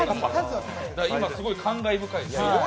今、すごい感慨深いです。